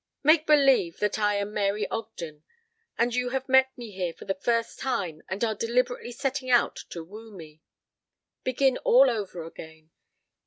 Make believe that I am Mary Ogden and you have met me here for the first time and are deliberately setting out to woo me. Begin all over again.